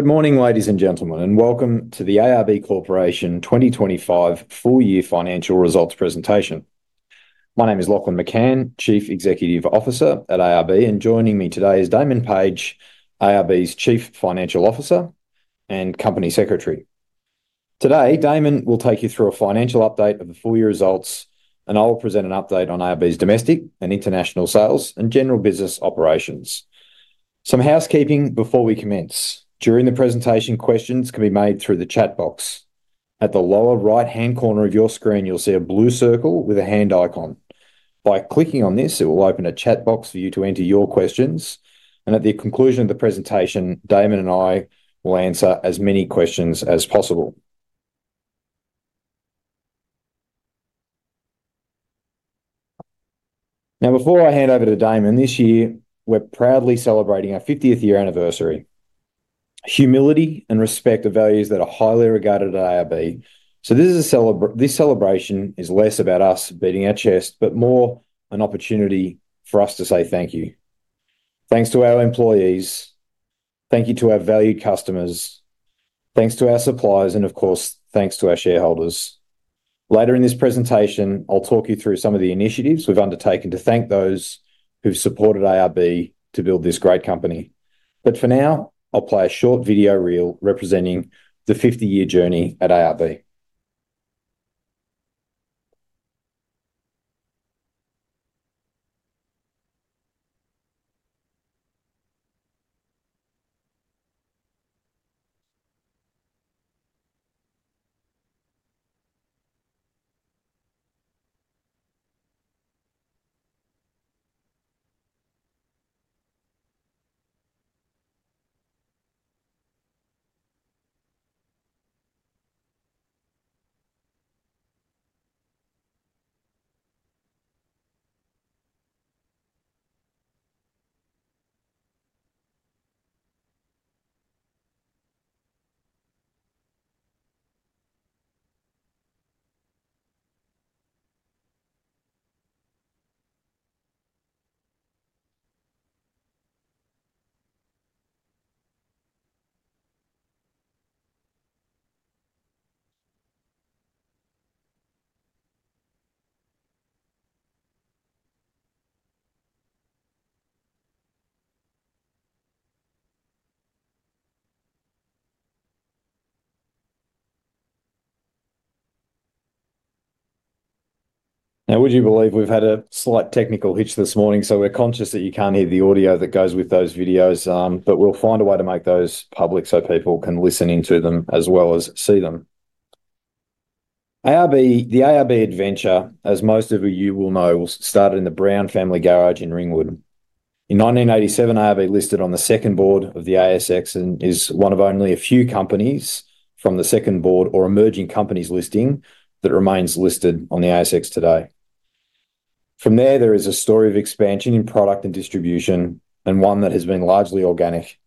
Good morning, ladies and gentlemen, and welcome to the ARB Corporation 2025 full-year financial results presentation. My name is Lachlan McCann, Chief Executive Officer at ARB, and joining me today is Damon Page, ARB's Chief Financial Officer and Company Secretary. Today, Damon will take you through a financial update of the full-year results, and I will present an update on ARB's domestic and international sales and general business operations. Some housekeeping before we commence. During the presentation, questions can be made through the chat box. At the lower right-hand corner of your screen, you'll see a blue circle with a hand icon. By clicking on this, it will open a chat box for you to enter your questions, and at the conclusion of the presentation, Damon and I will answer as many questions as possible. Now, before I hand over to Damon, this year we're proudly celebrating our 50th year anniversary. Humility and respect are values that are highly regarded at ARB, so this celebration is less about us beating our chests, but more an opportunity for us to say thank you. Thanks to our employees. Thank you to our valued customers. Thanks to our suppliers, and of course, thanks to our shareholders. Later in this presentation, I'll talk you through some of the initiatives we've undertaken to thank those who've supported ARB to build this great company. For now, I'll play a short video reel representing the 50-year journey at ARB. Now, would you believe we've had a slight technical hitch this morning, so we're conscious that you can't hear the audio that goes with those videos, but we'll find a way to make those public so people can listen into them as well as see them. The ARB adventure, as most of you will know, started in the Brown family garage in Ringwood. In 1987, ARB listed on the second board of the ASX and is one of only a few companies from the second board or emerging companies listing that remains listed on the ASX today. From there, there is a story of expansion in product and distribution, and one that has been largely organic.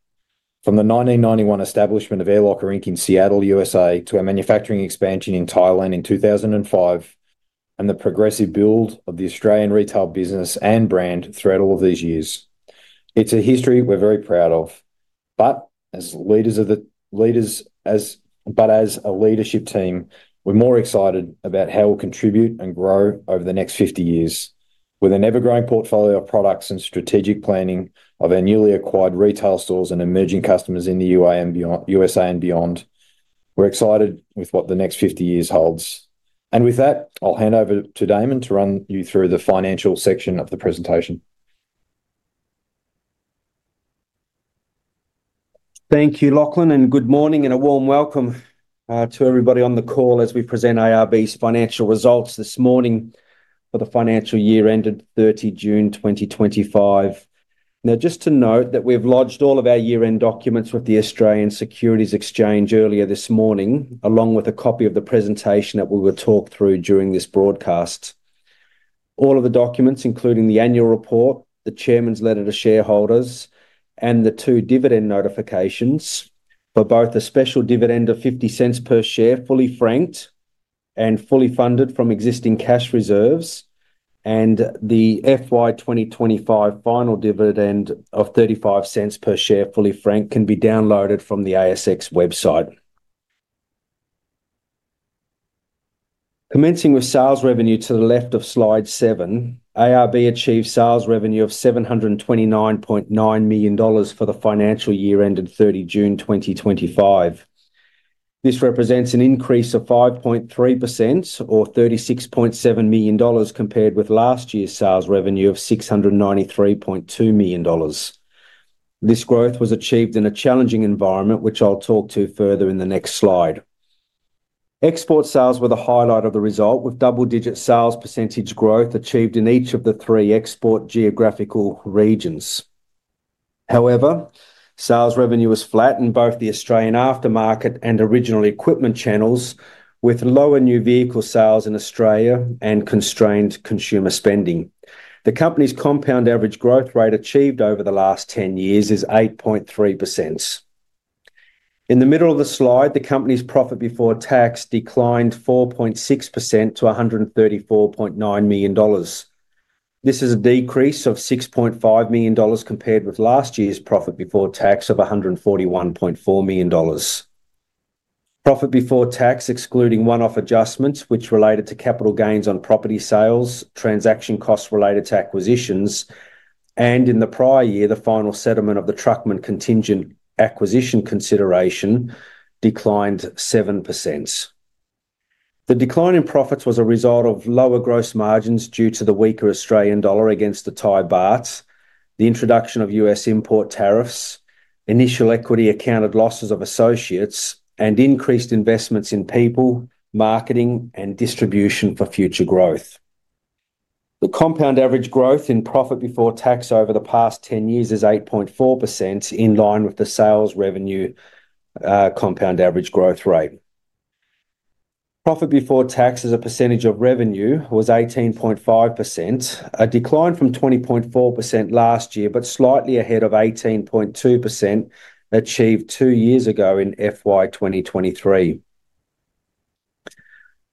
From the 1991 establishment of Air Locker Inc. in Seattle, U.S.A., to our manufacturing expansion in Thailand in 2005, and the progressive build of the Australian retail business and brand throughout all of these years. It's a history we're very proud of. As a leadership team, we're more excited about how we'll contribute and grow over the next 50 years. With an ever-growing portfolio of products and strategic planning of our newly acquired retail stores and emerging customers in the U.S.A. and beyond, we're excited with what the next 50 years holds. With that, I'll hand over to Damon to run you through the financial section of the presentation. Thank you, Lachlan, and good morning and a warm welcome to everybody on the call as we present ARB's financial results this morning for the financial year ended 30 June 2025. Now, just to note that we have lodged all of our year-end documents with the Australian Securities Exchange earlier this morning, along with a copy of the presentation that we will talk through during this broadcast. All of the documents, including the annual report, the chairman's letter to shareholders, and the two dividend notifications for both a special dividend of 0.50 per share, fully franked and fully funded from existing cash reserves, and the FY 2025 final dividend of 0.35 per share, fully franked, can be downloaded from the ASX website. Commencing with sales revenue, to the left of slide seven, ARB achieved sales revenue of 729.9 million dollars for the financial year ended 30 June 2025. This represents an increase of 5.3% or 36.7 million dollars compared with last year's sales revenue of 693.2 million dollars. This growth was achieved in a challenging environment, which I'll talk to further in the next slide. Export sales were the highlight of the result, with double-digit sales percentage growth achieved in each of the three export geographical regions. However, sales revenue was flat in both the Australian aftermarket and original equipment channels, with lower new vehicle sales in Australia and constrained consumer spending. The company's compound average growth rate achieved over the last 10 years is 8.3%. In the middle of the slide, the company's profit before tax declined 4.6% to AUD 134.9 million. This is a decrease of 6.5 million dollars compared with last year's profit before tax of 141.4 million dollars. Profit before tax, excluding one-off adjustments which related to capital gains on property sales, transaction costs related to acquisitions, and in the prior year, the final settlement of the Truckman contingent acquisition consideration declined 7%. The decline in profits was a result of lower gross margins due to the weaker Australian dollar against the Thai baht, the introduction of U.S. import tariffs, initial equity-accounted losses of associates, and increased investments in people, marketing, and distribution for future growth. The compound average growth in profit before tax over the past 10 years is 8.4%, in line with the sales revenue compound average growth rate. Profit before tax as a percentage of revenue was 18.5%, a decline from 20.4% last year, but slightly ahead of 18.2% achieved two years ago in FY 2023.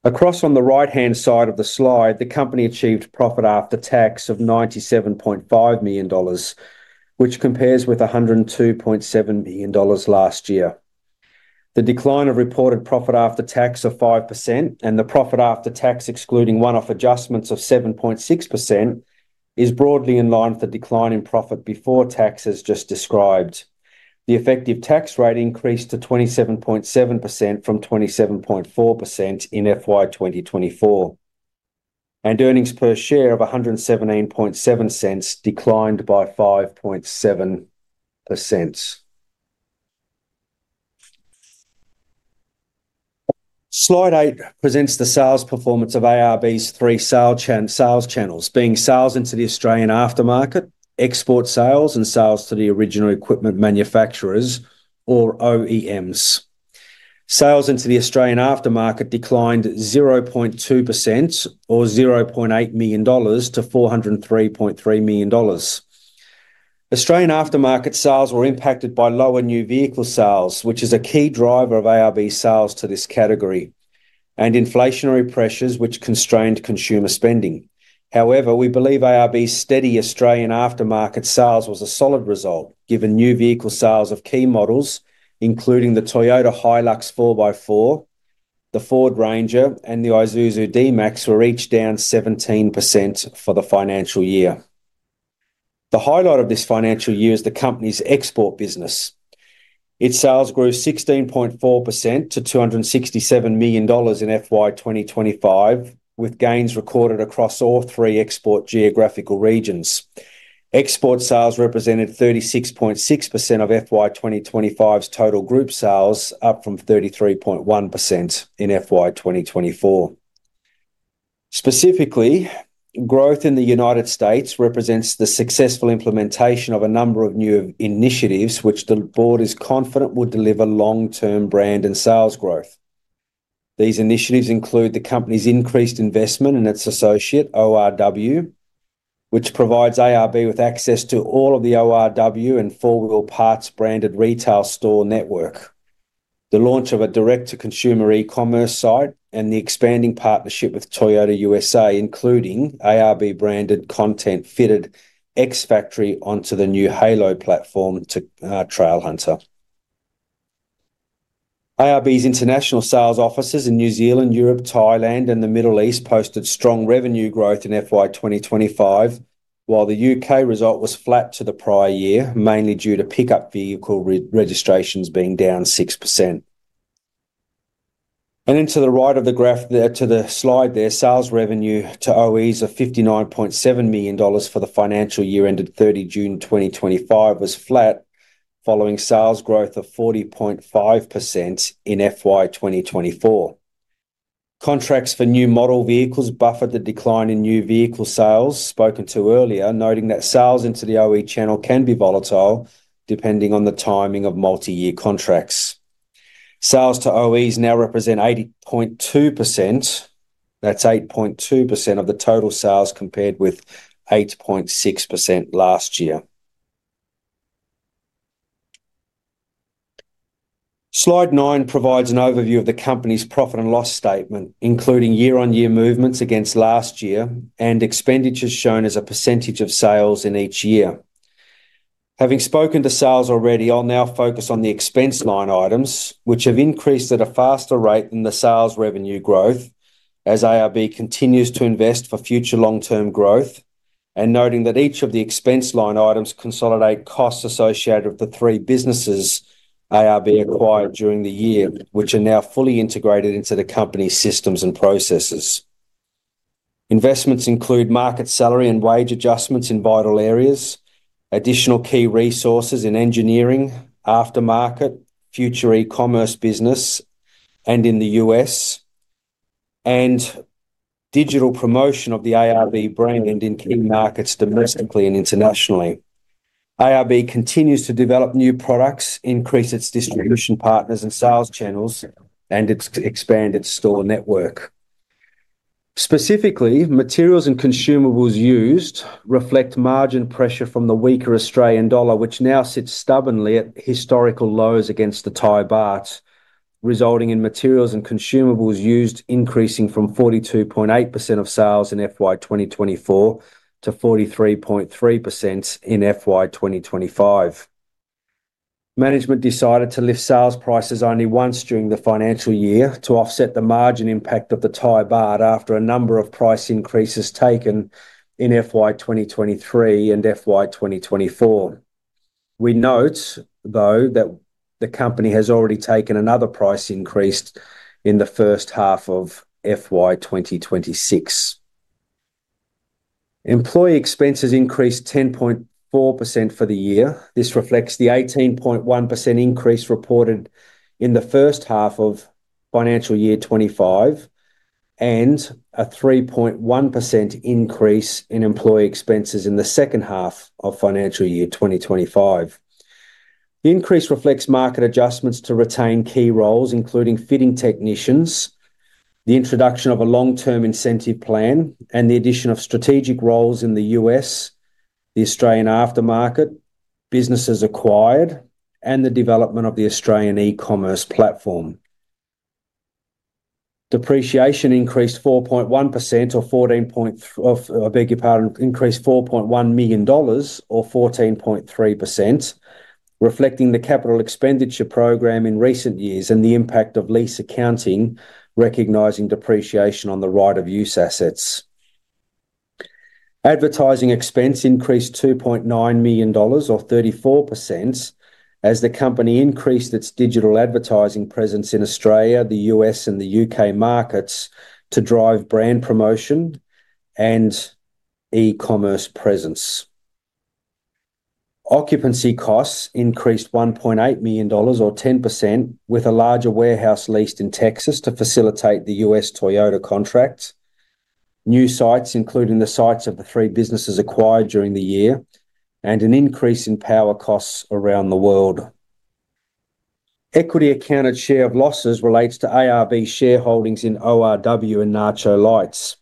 Across on the right-hand side of the slide, the company achieved profit after tax of 97.5 million dollars, which compares with 102.7 million dollars last year. The decline of reported profit after tax of 5% and the profit after tax, excluding one-off adjustments of 7.6%, is broadly in line with the decline in profit before taxes just described. The effective tax rate increased to 27.7% from 27.4% in FY 2024. Earnings per share of [179.7] declined by 5.7%. Slide eight presents the sales performance of ARB Corporation Limited's three sales channels, being sales into the Australian aftermarket, export sales, and sales to the original equipment manufacturers, or OEMs. Sales into the Australian aftermarket declined 0.2% or AUD 0.8 million to 403.3 million Australian dollars. Australian aftermarket sales were impacted by lower new vehicle sales, which is a key driver of ARB Corporation Limited's sales to this category, and inflationary pressures which constrained consumer spending. However, we believe ARB's steady Australian aftermarket sales was a solid result, given new vehicle sales of key models, including the Toyota Hilux 4x4, the Ford Ranger, and the Isuzu D-Max, were each down 17% for the financial year. The highlight of this financial year is the company's export business. Its sales grew 16.4% to 267 million dollars in FY 2025, with gains recorded across all three export geographical regions. Export sales represented 36.6% of FY 2025's total group sales, up from 33.1% in FY 2024. Specifically, growth in the United States represents the successful implementation of a number of new initiatives which the board is confident would deliver long-term brand and sales growth. These initiatives include the company's increased investment in its associate, ORW, which provides ARB Corporation Limited with access to all of the ORW and 4 Wheel Parts branded retail store network, the launch of a direct-to-consumer e-commerce site, and the expanding partnership with Toyota USA, including ARB-branded content fitted X-Factory onto the new Halo platform to TrailHunter. ARB's international sales offices in New Zealand, Europe, Thailand, and the Middle East posted strong revenue growth in FY 2025, while the U.K. result was flat to the prior year, mainly due to pickup vehicle registrations being down 6%. To the right of the graph, to the slide there, sales revenue to OEs of 59.7 million dollars for the financial year ended 30 June 2025 was flat, following sales growth of 40.5% in FY 2024. Contracts for new model vehicles buffered the decline in new vehicle sales. Spoken to earlier, noting that sales into the OE channel can be volatile depending on the timing of multi-year contracts. Sales to OEs now represent 80.2%. That's 8.2% of the total sales compared with 8.6% last year. Slide nine provides an overview of the company's profit and loss statement, including year-on-year movements against last year and expenditures shown as a percentage of sales in each year. Having spoken to sales already, I'll now focus on the expense line items, which have increased at a faster rate than the sales revenue growth as ARB continues to invest for future long-term growth, and noting that each of the expense line items consolidates costs associated with the three businesses ARB acquired during the year, which are now fully integrated into the company's systems and processes. Investments include market salary and wage adjustments in vital areas, additional key resources in engineering, aftermarket, future e-commerce business, and in the U.S., and digital promotion of the ARB brand in key markets domestically and internationally. ARB continues to develop new products, increase its distribution partners and sales channels, and expand its store network. Specifically, materials and consumables used reflect margin pressure from the weaker Australian dollar, which now sits stubbornly at historical lows against the Thai baht, resulting in materials and consumables used increasing from 42.8% of sales in FY 2024 to 43.3% in FY 2025. Management decided to lift sales prices only once during the financial year to offset the margin impact of the Thai baht after a number of price increases taken in FY 2023 and FY 2024. We note, though, that the company has already taken another price increase in the first half of FY 2026. Employee expenses increased 10.4% for the year. This reflects the 18.1% increase reported in the first half of financial year 2025 and a 3.1% increase in employee expenses in the second half of financial year 2025. The increase reflects market adjustments to retain key roles, including fitting technicians, the introduction of a long-term incentive plan, and the addition of strategic roles in the U.S., the Australian aftermarket, businesses acquired, and the development of the Australian e-commerce platform. Depreciation increased 4.1 million dollars or 14.3%, reflecting the capital expenditure program in recent years and the impact of lease accounting, recognizing depreciation on the right of use assets. Advertising expense increased 2.9 million dollars or 34% as the company increased its digital advertising presence in Australia, the U.S., and the U.K. markets to drive brand promotion and e-commerce presence. Occupancy costs increased 1.8 million dollars or 10%, with a larger warehouse leased in Texas to facilitate the U.S. Toyota contracts, new sites including the sites of the three businesses acquired during the year, and an increase in power costs around the world. Equity-accounted share of losses relates to ARB shareholdings in ORW and Nacho Lights.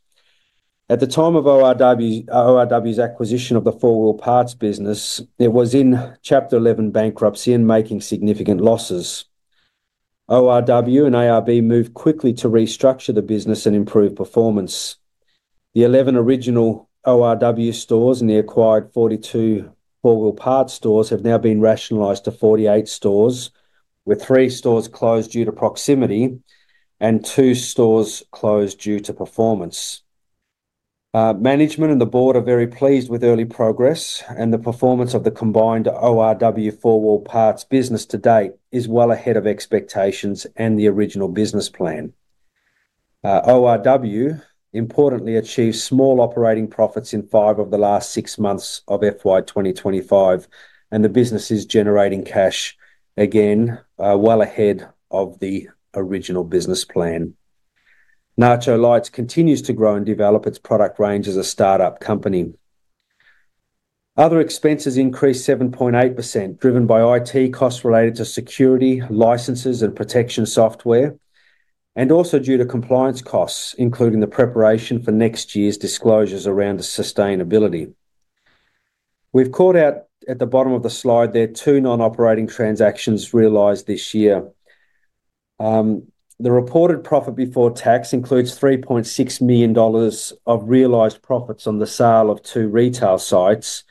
At the time of ORW's acquisition of the 4 Wheel Parts business, it was in Chapter 11 bankruptcy and making significant losses. ORW and ARB moved quickly to restructure the business and improve performance. The 11 original ORW stores and the acquired 42 4 Wheel Parts stores have now been rationalized to 48 stores, with three stores closed due to proximity and two stores closed due to performance. Management and the board are very pleased with early progress, and the performance of the combined ORW 4 Wheel Parts business to date is well ahead of expectations and the original business plan. ORW importantly achieved small operating profits in five of the last six months of FY 2025, and the business is generating cash again, well ahead of the original business plan. Nacho Lights continues to grow and develop its product range as a startup company. Other expenses increased 7.8%, driven by IT costs related to security, licenses, and protection software, and also due to compliance costs, including the preparation for next year's disclosures around the sustainability. We've called out at the bottom of the slide there two non-operating transactions realized this year. The reported profit before tax includes 3.6 million dollars of realized profits on the sale of two retail sites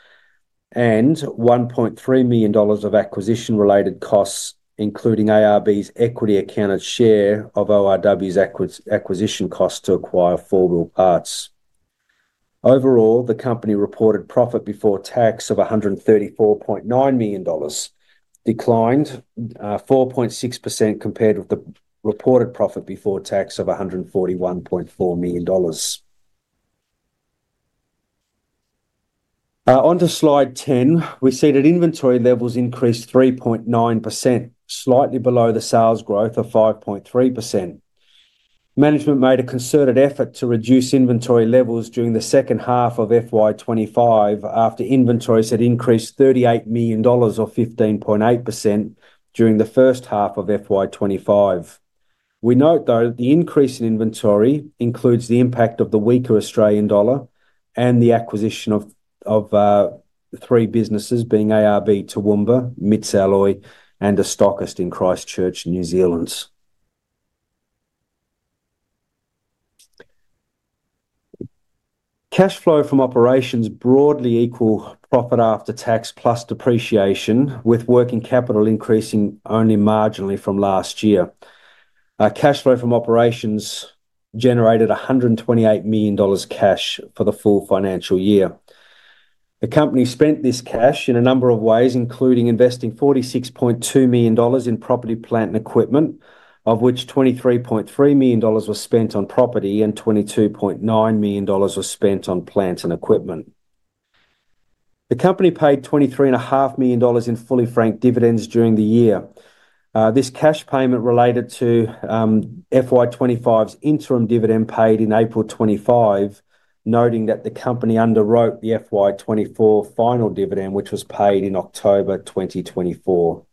and 1.3 million dollars of acquisition-related costs, including ARB's equity-accounted share of ORW's acquisition costs to acquire 4 Wheel Parts. Overall, the company reported profit before tax of 134.9 million dollars, declined 4.6% compared with the reported profit before tax of 141.4 million dollars. On to slide 10, we see that inventory levels increased 3.9%, slightly below the sales growth of 5.3%. Management made a concerted effort to reduce inventory levels during the second half of FY 2025 after inventories had increased 38 million dollars or 15.8% during the first half of FY 2025. We note, though, that the increase in inventory includes the impact of the weaker Australian dollar and the acquisition of three businesses, being ARB Toowoomba, MITS Alloy, and a stockist in Christchurch, New Zealand. Cash flow from operations broadly equaled profit after tax plus depreciation, with working capital increasing only marginally from last year. Cash flow from operations generated 128 million dollars cash for the full financial year. The company spent this cash in a number of ways, including investing 46.2 million dollars in property, plant, and equipment, of which 23.3 million dollars was spent on property and 22.9 million dollars was spent on plant and equipment. The company paid 23.5 million dollars in fully franked dividends during the year. This cash payment related to FY 2025's interim dividend paid in April 2025, noting that the company underwrote the FY 2024 final dividend, which was paid in October 2024.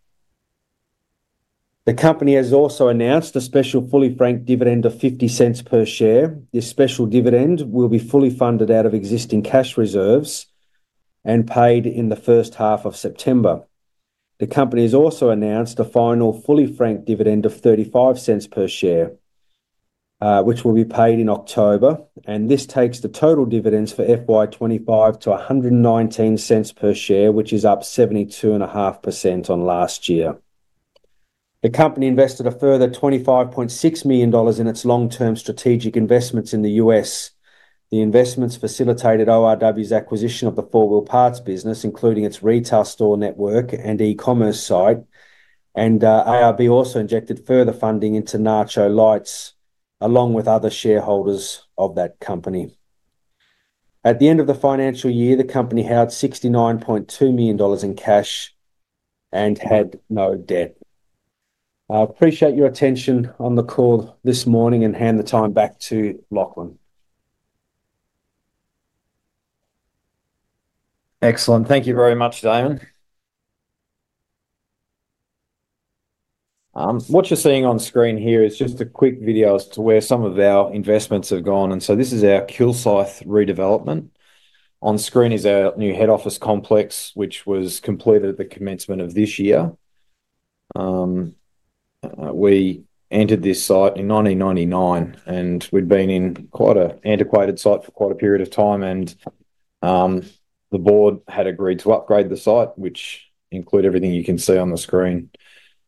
The company has also announced a special fully franked dividend of 0.50 per share. This special dividend will be fully funded out of existing cash reserves and paid in the first half of September. The company has also announced a final fully franked dividend of 0.35 per share, which will be paid in October, and this takes the total dividends for FY 2025 to 1.19 per share, which is up 72.5% on last year. The company invested a further 25.6 million dollars in its long-term strategic investments in the U.S. The investments facilitated ORW's acquisition of the 4 Wheel Parts business, including its retail store network and e-commerce site, and ARB also injected further funding into Nacho Lights, along with other shareholders of that company. At the end of the financial year, the company held 69.2 million dollars in cash and had no debt. I appreciate your attention on the call this morning and hand the time back to Lachlan. Excellent. Thank you very much, Damon. What you're seeing on screen here is just a quick video as to where some of our investments have gone. This is our Kilsyth redevelopment. On screen is our new head office complex, which was completed at the commencement of this year. We entered this site in 1999, and we'd been in quite an antiquated site for quite a period of time. The board had agreed to upgrade the site, which includes everything you can see on the screen.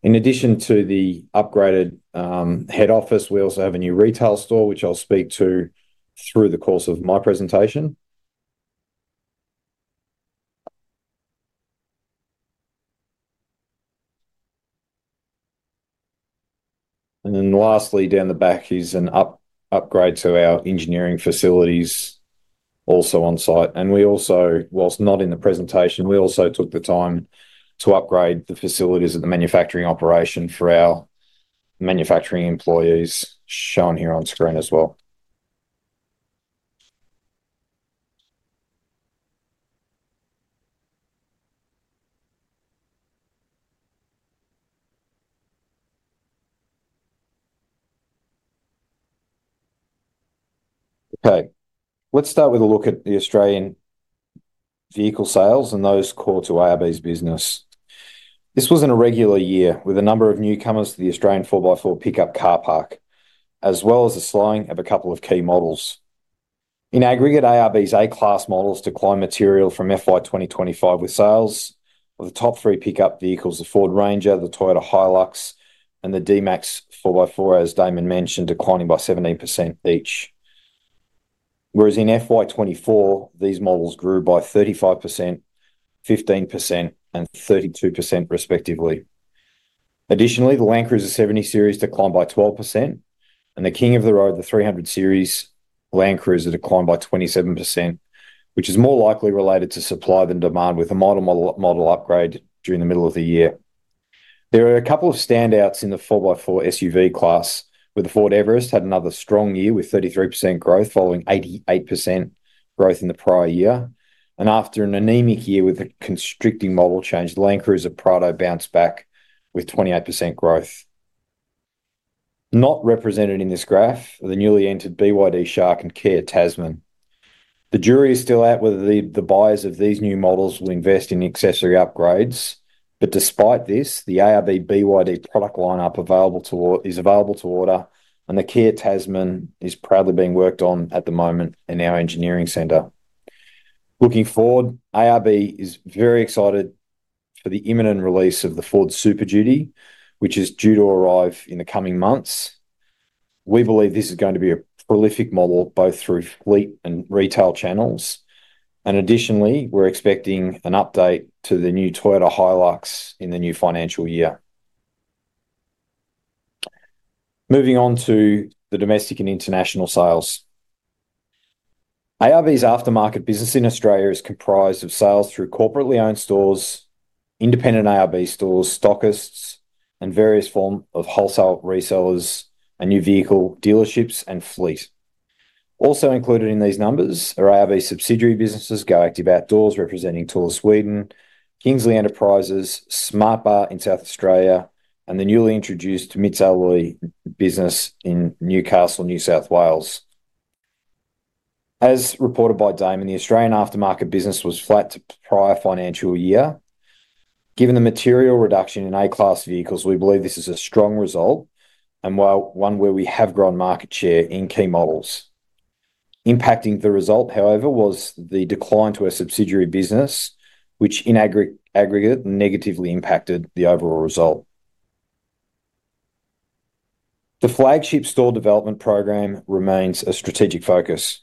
In addition to the upgraded head office, we also have a new retail store, which I'll speak to through the course of my presentation. Lastly, down the back is an upgrade to our engineering facilities, also on site. We also, whilst not in the presentation, took the time to upgrade the facilities of the manufacturing operation for our manufacturing employees, shown here on screen as well. Okay, let's start with a look at the Australian vehicle sales and those core to ARB's business. This was an irregular year with a number of newcomers to the Australian 4x4 pickup car park, as well as a slowing of a couple of key models. In aggregate, ARB's A-class models declined material from FY 2025 with sales of the top three pickup vehicles, the Ford Ranger, the Toyota Hilux, and the D-Max 4x4, as Damon mentioned, declining by 17% each. Whereas in FY 2024, these models grew by 35%, 15%, and 32% respectively. Additionally, the ` 70 Series declined by 12%, and the King of the Road, the 300 Series Land Cruiser, declined by 27%, which is more likely related to supply than demand with a model upgrade during the middle of the year. There are a couple of standouts in the 4x4 SUV class, where the Ford Everest had another strong year with 33% growth, following 88% growth in the prior year. After an anemic year with a constricting model change, the Land Cruiser Prado bounced back with 28% growth. Not represented in this graph are the newly entered BYD Shark and Kia Tasman. The jury is still out whether the buyers of these new models will invest in accessory upgrades, but despite this, the ARB BYD product lineup is available to order, and the Kia Tasman is proudly being worked on at the moment in our engineering center. Looking forward, ARB is very excited for the imminent release of the Ford Super Duty, which is due to arrive in the coming months. We believe this is going to be a prolific model both through fleet and retail channels, and additionally, we're expecting an update to the new Toyota Hilux in the new financial year. Moving on to the domestic and international sales, ARB's aftermarket business in Australia is comprised of sales through corporately owned stores, independent ARB stores, stockists, and various forms of wholesale resellers, and new vehicle dealerships and fleet. Also included in these numbers are ARB subsidiary businesses, GoActive Outdoors, representing Tour of Sweden, Kingsley Enterprises, SmartBar in South Australia, and the newly introduced MITS Alloy business in Newcastle, New South Wales. As reported by Damon Page, the Australian aftermarket business was flat to prior financial year. Given the material reduction in A-class vehicles, we believe this is a strong result and one where we have grown market share in key models. Impacting the result, however, was the decline to a subsidiary business, which in aggregate negatively impacted the overall result. The flagship store development program remains a strategic focus.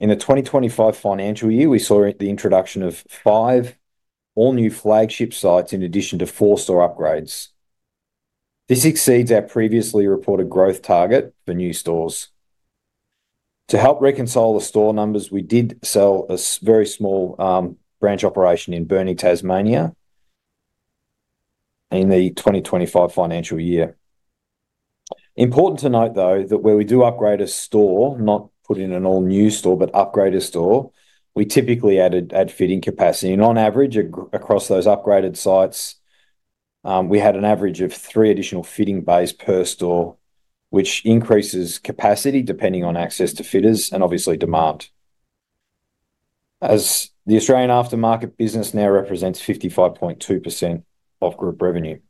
In the 2025 financial year, we saw the introduction of five all-new flagship sites in addition to four store upgrades. This exceeds our previously reported growth target for new stores. To help reconcile the store numbers, we did sell a very small branch operation in Burnie, Tasmania, in the 2025 financial year. It is important to note, though, that where we do upgrade a store, not put in an all-new store, but upgrade a store, we typically add fitting capacity. On average, across those upgraded sites, we had an average of three additional fitting bays per store, which increases capacity depending on access to fitters and obviously demand. As the Australian aftermarket business now represents 55.2% of group revenue.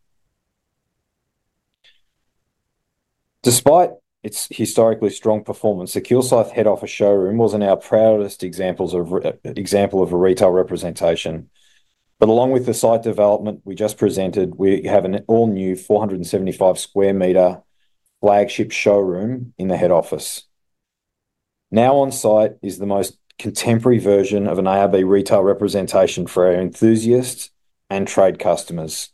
Despite its historically strong performance, the Kilsyth head office showroom wasn't our proudest example of a retail representation. Along with the site development we just presented, we have an all-new 475 square meter flagship showroom in the head office. Now on site is the most contemporary version of an ARB retail representation for our enthusiasts and trade customers.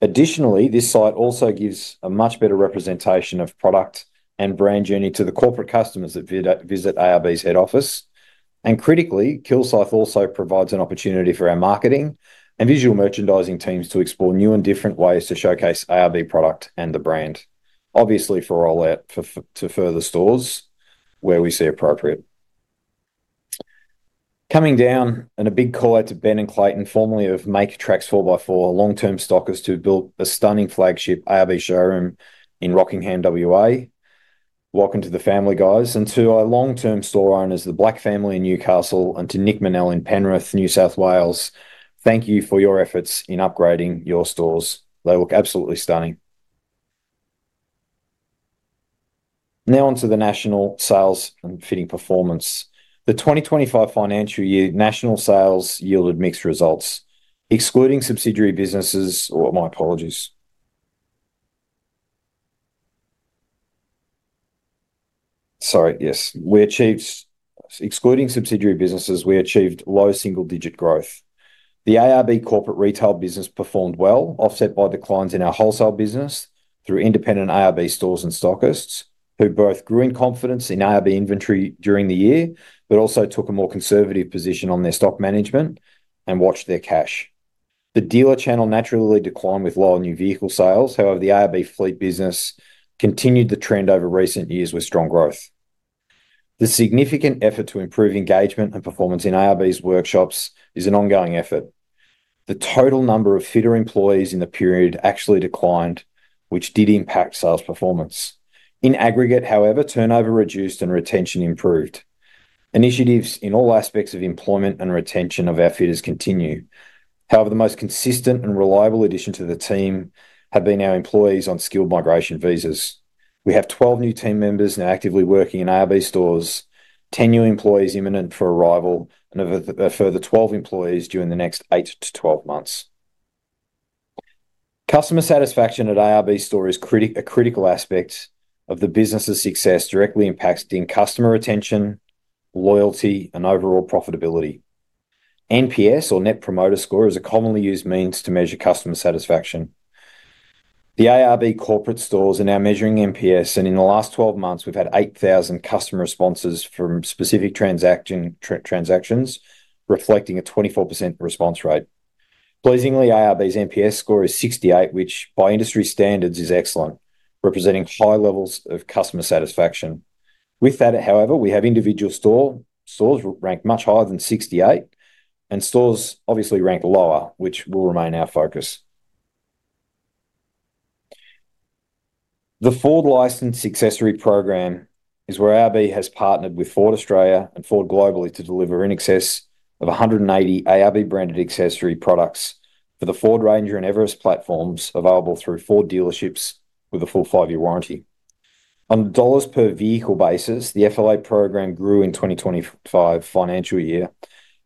Additionally, this site also gives a much better representation of product and brand journey to the corporate customers that visit ARB's head office. Critically, Kilsyth also provides an opportunity for our marketing and visual merchandising teams to explore new and different ways to showcase ARB product and the brand, obviously for our layout for further stores where we see appropriate. A big call out to Ben and Clayton, formerly of Make Tracks 4x4, long-term stockist who built a stunning flagship ARB showroom in Rockingham, WA. Welcome to the family, guys, and to our long-term store owners, the Black family in Newcastle, and to Nick Manell in Penrith, New South Wales. Thank you for your efforts in upgrading your stores. They look absolutely stunning. Now on to the national sales and fitting performance. The 2025 financial year national sales yielded mixed results. Excluding subsidiary businesses, yes, we achieved, excluding subsidiary businesses, we achieved low single-digit growth. The ARB corporate retail business performed well, offset by the clients in our wholesale business through independent ARB stores and stockists, who both grew in confidence in ARB inventory during the year, but also took a more conservative position on their stock management and watched their cash. The dealer channel naturally declined with lower new vehicle sales. However, the ARB fleet business continued the trend over recent years with strong growth. The significant effort to improve engagement and performance in ARB's workshops is an ongoing effort. The total number of fitter employees in the period actually declined, which did impact sales performance. In aggregate, however, turnover reduced and retention improved. Initiatives in all aspects of employment and retention of our fitters continue. However, the most consistent and reliable addition to the team have been our employees on skilled migration visas. We have 12 new team members now actively working in ARB stores, 10 new employees imminent for arrival, and a further 12 employees during the next 8 to 12 months. Customer satisfaction at ARB store is a critical aspect of the business's success; it directly impacts customer retention, loyalty, and overall profitability. NPS, or Net Promoter Score, is a commonly used means to measure customer satisfaction. The ARB corporate stores are now measuring NPS, and in the last 12 months, we've had 8,000 customer responses from specific transactions, reflecting a 24% response rate. Pleasingly, ARB's NPS score is 68, which by industry standards is excellent, representing high levels of customer satisfaction. With that, however, we have individual stores rank much higher than 68, and stores obviously rank lower, which will remain our focus. The Ford Licensed Accessory Program is where ARB has partnered with Ford Australia and Ford globally to deliver in excess of 180 ARB branded accessory products for the Ford Ranger and Everest platforms available through Ford dealerships with a full five-year warranty. On a dollars-per-vehicle basis, the FLA program grew in the 2025 financial year.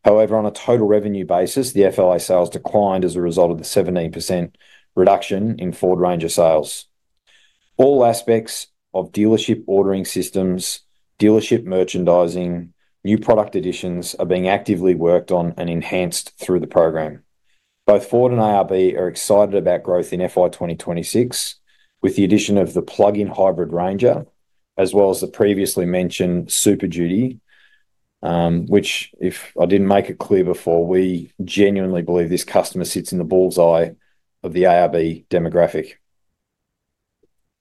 However, on a total revenue basis, the FLA sales declined as a result of the 17% reduction in Ford Ranger sales. All aspects of dealership ordering systems, dealership merchandising, and new product additions are being actively worked on and enhanced through the program. Both Ford and ARB are excited about growth in FY 2026, with the addition of the plug-in hybrid Ranger, as well as the previously mentioned Super Duty, which, if I didn't make it clear before, we genuinely believe this customer sits in the bull's eye of the ARB demographic.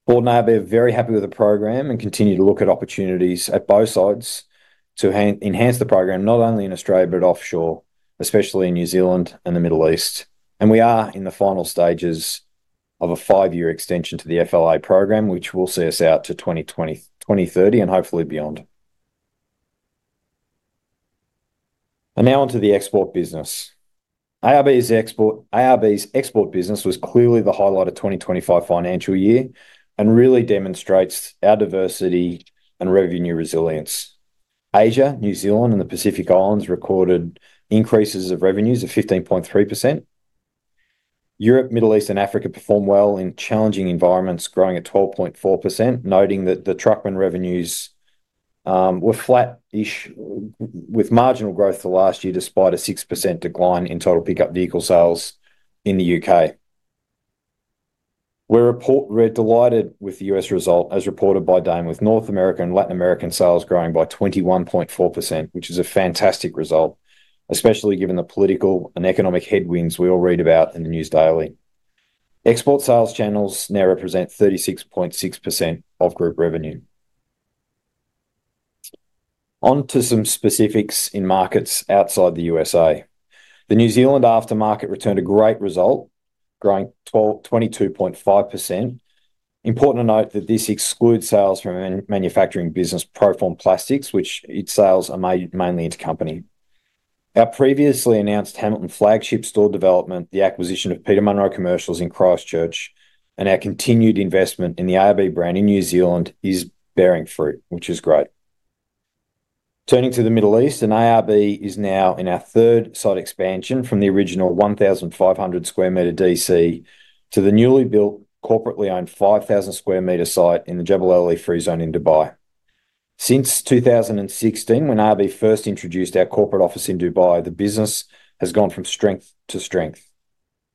Ford and ARB are very happy with the program and continue to look at opportunities at both sides to enhance the program, not only in Australia, but offshore, especially in New Zealand and the Middle East. We are in the final stages of a five-year extension to the FLA program, which will see us out to 2030 and hopefully beyond. Now on to the export business. ARB's export business was clearly the highlight of the 2025 financial year and really demonstrates our diversity and revenue resilience. Asia, New Zealand, and the Pacific Islands recorded increases of revenues of 15.3%. Europe, the Middle East, and Africa performed well in challenging environments, growing at 12.4%, noting that the Truckman revenues were flat-ish with marginal growth the last year, despite a 6% decline in total pickup vehicle sales in the U.K. We're delighted with the U.S. result, as reported by Damon, with North American and Latin American sales growing by 21.4%, which is a fantastic result, especially given the political and economic headwinds we all read about in the news daily. Export sales channels now represent 36.6% of group revenue. On to some specifics in markets outside the USA. The New Zealand aftermarket returned a great result, growing 22.5%. Important to note that this excludes sales from manufacturing business Proform Plastics, which its sales are made mainly into company. Our previously announced Hamilton flagship store development, the acquisition of Peter Munro Commercials in Christchurch, and our continued investment in the ARB brand in New Zealand is bearing fruit, which is great. Turning to the Middle East, ARB is now in our third site expansion from the original 1,500 square meter DC to the newly built corporately owned 5,000 square meter site in the Jebel Ali Free Zone in Dubai. Since 2016, when ARB first introduced our corporate office in Dubai, the business has gone from strength to strength.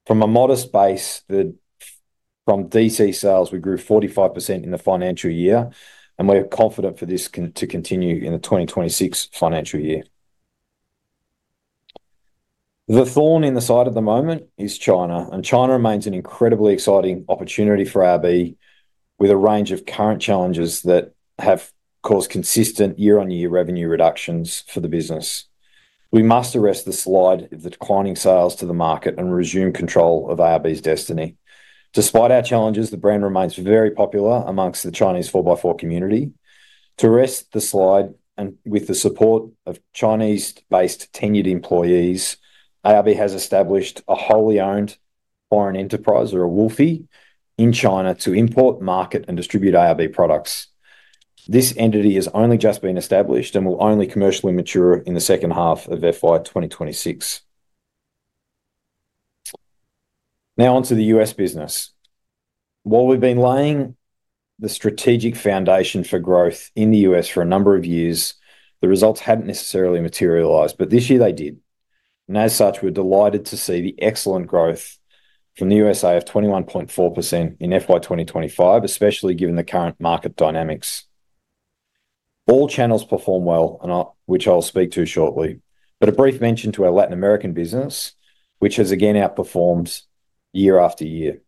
From a modest base, from DC sales, we grew 45% in the financial year, and we're confident for this to continue in the 2026 financial year. The thorn in the side at the moment is China, and China remains an incredibly exciting opportunity for ARB, with a range of current challenges that have caused consistent year-on-year revenue reductions for the business. We must arrest the slide of declining sales to the market and resume control of ARB's destiny. Despite our challenges, the brand remains very popular amongst the Chinese 4x4 community. To arrest the slide, and with the support of Chinese-based tenured employees, ARB has established a wholly owned foreign enterprise, or a WOFE, in China to import, market, and distribute ARB products. This entity has only just been established and will only commercially mature in the second half of FY 2026. Now on to the U.S. business. While we've been laying the strategic foundation for growth in the U.S. for a number of years, the results hadn't necessarily materialized, but this year they did. We are delighted to see the excellent growth from the USA of 21.4% in FY 2025, especially given the current market dynamics. All channels perform well, which I'll speak to shortly. A brief mention to our Latin American business, which has again outperformed year after year.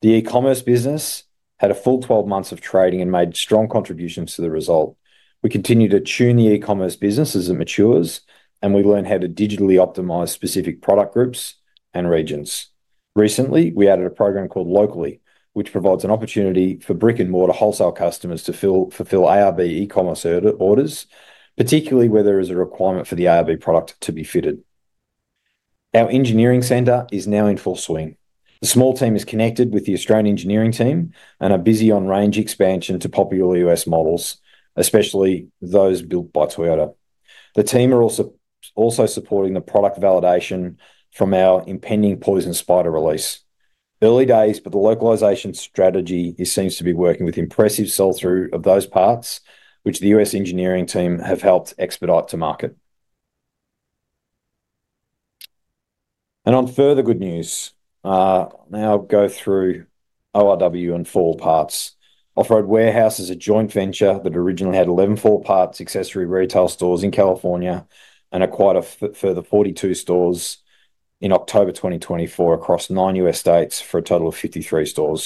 The e-commerce business had a full 12 months of trading and made strong contributions to the result. We continue to tune the e-commerce business as it matures, and we learn how to digitally optimize specific product groups and regions. Recently, we added a program called Locally, which provides an opportunity for brick-and-mortar wholesale customers to fulfill ARB e-commerce orders, particularly where there is a requirement for the ARB product to be fitted. Our engineering center is now in full swing. The small team is connected with the Australian engineering team and are busy on range expansion to popular U.S. models, especially those built by Toyota. The team are also supporting the product validation from our impending Poison Spider release. Early days, but the localization strategy seems to be working with impressive sell-through of those parts, which the U.S. engineering team have helped expedite to market. Now I'll go through ORW and 4 Wheel Parts. Off-Road Warehouse is a joint venture that originally 4 Wheel Parts accessory retail stores in California and acquired a further 42 stores in October 2024 across nine U.S. states for a total of 53 4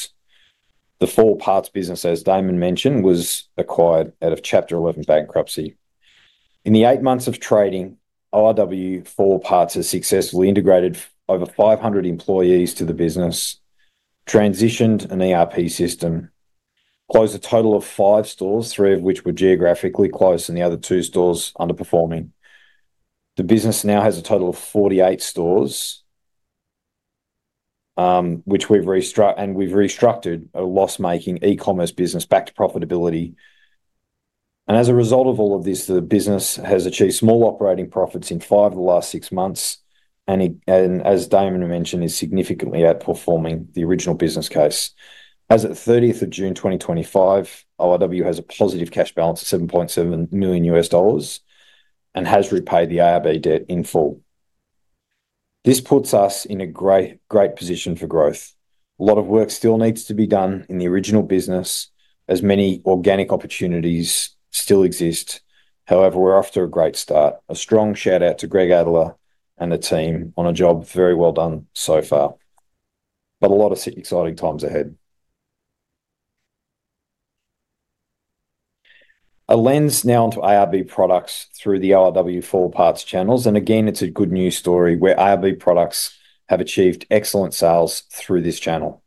Wheel Parts business, as Damon mentioned, was acquired out of Chapter 11 bankruptcy. In the eight months of trading, ORW 4 Wheel Parts has successfully integrated over 500 employees to the business, transitioned an ERP system, closed a total of five stores, three of which were geographically close, and the other two stores underperforming. The business now has a total of 48 stores, which we've restructured, a loss-making e-commerce business back to profitability. As a result of all of this, the business has achieved small operating profits in five of the last six months, and as Damon mentioned, is significantly outperforming the original business case. As of June 30, 2025, ORW has a positive cash balance of $7.7 million U.S. dollars and has repaid the ARB debt in full. This puts us in a great position for growth. A lot of work still needs to be done in the original business, as many organic opportunities still exist. However, we're off to a great start. A strong shout out to Greg Adler and the team on a job very well done so far. A lot of exciting times ahead. A lens now onto ARB products through the 4 Parts channels, and again, it's a good news story where ARB products have achieved excellent sales through this channel.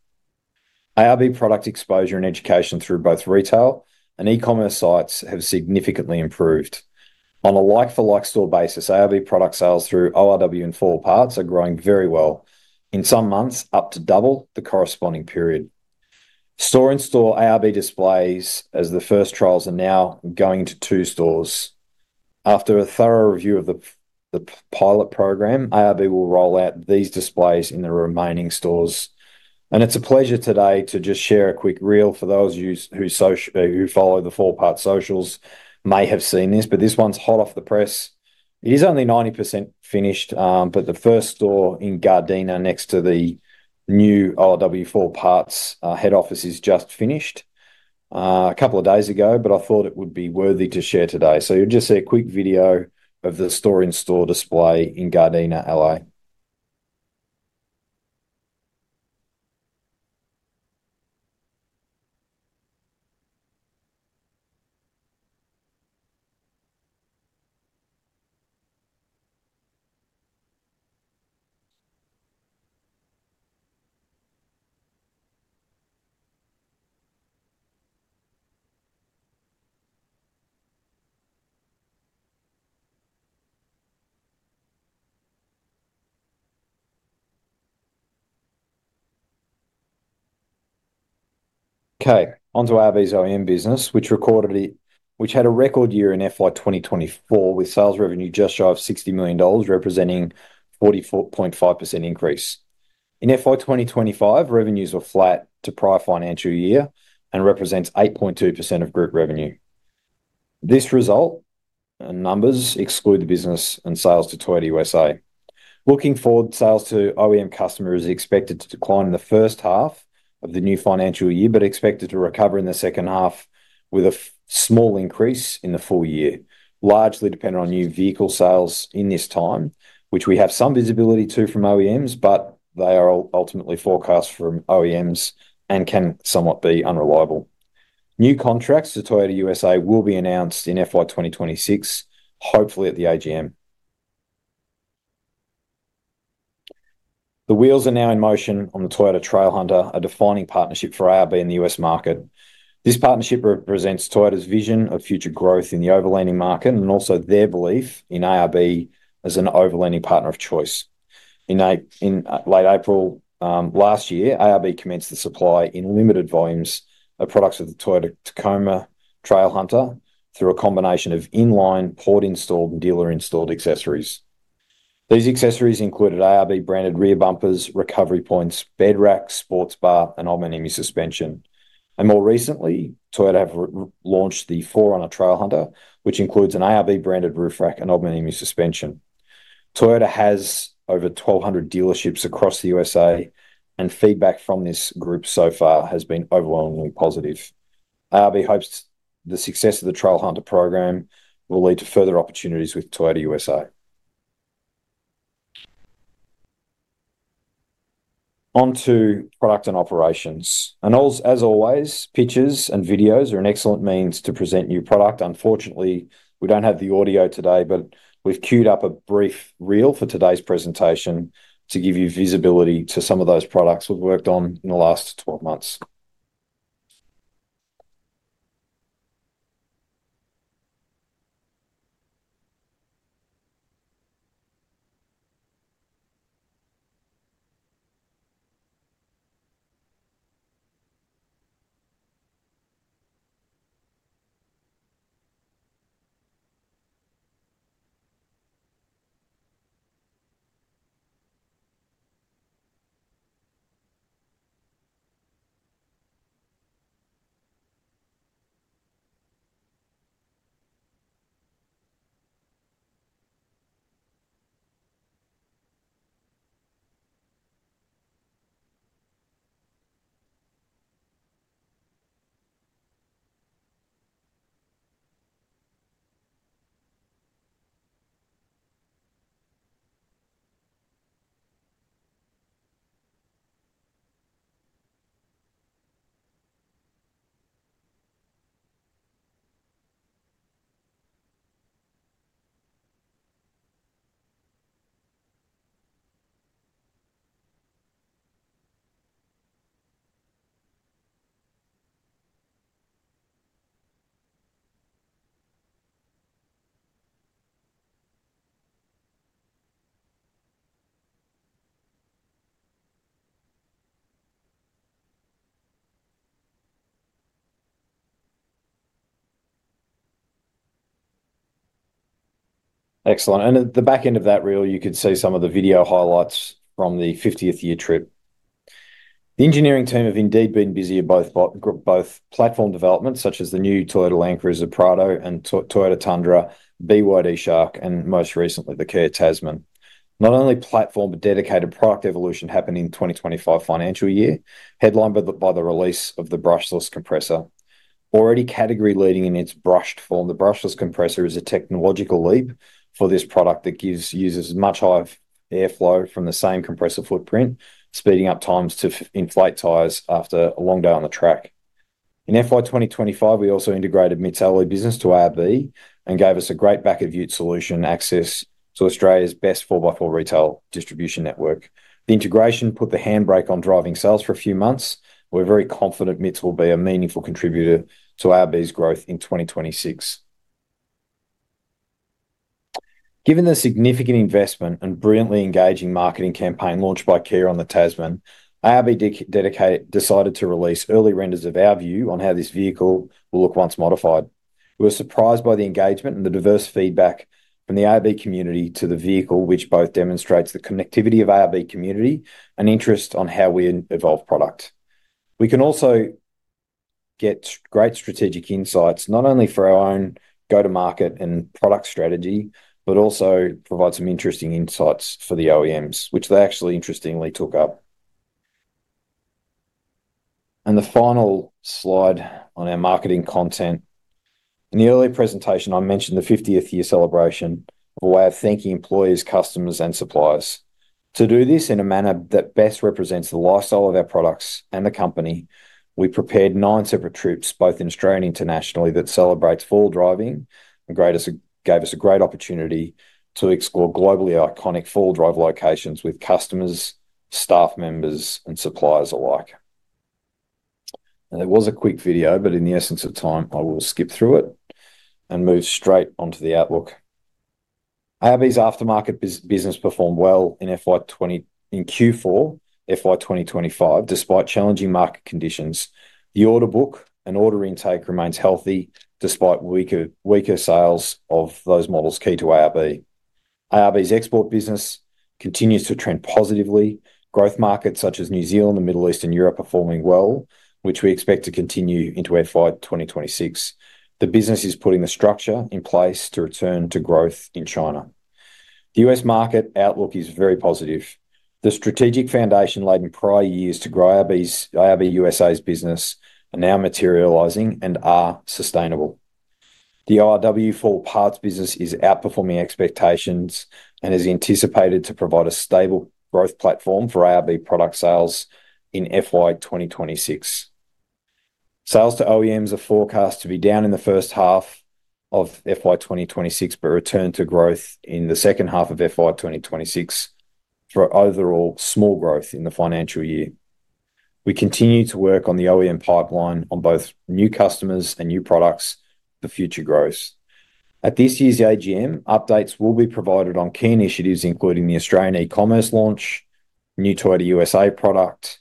ARB product exposure and education through both retail and e-commerce sites have significantly improved. On a like-for-like store basis, ARB product sales through ORW 4 Parts are growing very well, in some months up to double the corresponding period. Store-in-store ARB displays as the first trials are now going to two stores. After a thorough review of the pilot program, ARB will roll out these displays in the remaining stores. It's a pleasure today to just share a quick reel for those who follow 4 Wheel Parts socials may have seen this, but this one's hot off the press. It is only 90% finished, but the first store in Gardena next to the new ORW 4 Parts head office is just finished a couple of days ago. I thought it would be worthy to share today. It's just a quick video of the store-in-store display in Gardena, LA. On to ARB's OEM business, which recorded a record year in FY 2024 with sales revenue just shy of $60 million, representing a 44.5% increase. In FY 2025, revenues were flat to prior financial year and represent 8.2% of group revenue. This result and numbers exclude the business and sales to Toyota USA. Looking forward, sales to OEM customers are expected to decline in the first half of the new financial year, but expected to recover in the second half with a small increase in the full year, largely dependent on new vehicle sales in this time, which we have some visibility to from OEMs, but they are ultimately forecast from OEMs and can somewhat be unreliable. New contracts to Toyota USA will be announced in FY 2026, hopefully at the AGM. The wheels are now in motion on the Toyota TrailHunter, a defining partnership for ARB in the U.S. market. This partnership represents Toyota's vision of future growth in the overlanding market and also their belief in ARB as an overlanding partner of choice. In late April last year, ARB commenced the supply in limited volumes of products of the Toyota Tacoma TrailHunter through a combination of inline, port-installed, and dealer-installed accessories. These accessories included ARB branded rear bumpers, recovery points, bed racks, sports bar, and aluminum suspension. More recently, Toyota has launched the 4Runner TrailHunter, which includes an ARB branded roof rack and aluminum suspension. Toyota has over 1,200 dealerships across the USA, and feedback from this group so far has been overwhelmingly positive. ARB hopes the success of the TrailHunter program will lead to further opportunities with Toyota USA. On to product and operations. As always, pictures and videos are an excellent means to present new products. Unfortunately, we don't have the audio today, but we've queued up a brief reel for today's presentation to give you visibility to some of those products we've worked on in the last 12 months. Excellent. At the back end of that reel, you could see some of the video highlights from the 50th year trip. The engineering team have indeed been busy at both platform developments, such as the new Toyota Land Cruiser Prado and Toyota Tundra, BYD Shark, and most recently the Kia Tasman. Not only platform, but dedicated product evolution happened in the 2025 financial year, headlined by the release of the ARB Brushless Compressor. Already category leading in its brushed form, the ARB Brushless Compressor is a technological leap for this product that gives users much higher airflow from the same compressor footprint, speeding up times to inflate tires after a long day on the track. In FY 2025, we also integrated MITS Alloy business to ARB and gave us a great back-of-view solution and access to Australia's best 4x4 retail distribution network. The integration put the handbrake on driving sales for a few months. We're very confident MITS will be a meaningful contributor to ARB's growth in 2026. Given the significant investment and brilliantly engaging marketing campaign launched by Kia on the Tasman, ARB decided to release early renders of our view on how this vehicle will look once modified. We were surprised by the engagement and the diverse feedback from the ARB community to the vehicle, which both demonstrates the connectivity of the ARB community and interest on how we evolve product. We can also get great strategic insights, not only for our own go-to-market and product strategy, but also provide some interesting insights for the OEMs, which they actually interestingly took up. The final slide on our marketing content. In the earlier presentation, I mentioned the 50th year celebration as a way of thanking employees, customers, and suppliers. To do this in a manner that best represents the lifestyle of our products and the company, we prepared nine separate trips, both in Australia and internationally, that celebrate four-wheel driving and gave us a great opportunity to explore globally iconic four-wheel drive locations with customers, staff members, and suppliers alike. It was a quick video, but in the essence of time, I will skip through it and move straight onto the outlook. ARB's aftermarket business performed well in Q4 FY 2025, despite challenging market conditions. The order book and order intake remains healthy despite weaker sales of those models key to ARB. ARB's export business continues to trend positively. Growth markets such as New Zealand, the Middle East, and Europe are performing well, which we expect to continue into FY 2026. The business is putting the structure in place to return to growth in China. The U.S. market outlook is very positive. The strategic foundation laid in prior years to grow ARB USA's business are now materializing and are sustainable. The ORW 4 Parts business is outperforming expectations and is anticipated to provide a stable growth platform for ARB product sales in FY 2026. Sales to OEMs are forecast to be down in the first half of FY 2026, but return to growth in the second half of FY 2026 for overall small growth in the financial year. We continue to work on the OEM pipeline on both new customers and new products for future growth. At this year's AGM, updates will be provided on key initiatives, including the Australian e-commerce launch, new Toyota USA product,